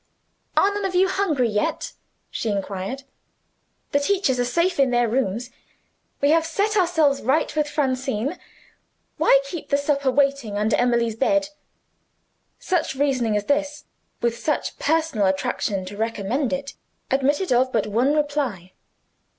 "Are none of you hungry yet?" she inquired. "The teachers are safe in their rooms; we have set ourselves right with Francine. Why keep the supper waiting under Emily's bed?" Such reasoning as this, with such personal attractions to recommend it, admitted of but one reply.